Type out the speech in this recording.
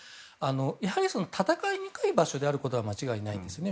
やはり、戦いにくい場所であることは間違いないんですね。